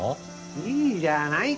いいじゃないか。